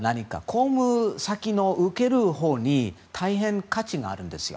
公務先の、受けるほうに大変価値があるんですよ。